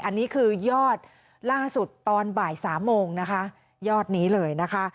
อันนี้คือยอดล่าสุดตอนบ่ายสามโมงนะคะยอดนี้เลยนะคะ